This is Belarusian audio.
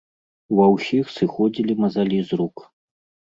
Ва ўсіх сыходзілі мазалі з рук.